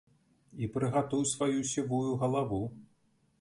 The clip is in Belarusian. І прыгатуй сваю сівую галаву.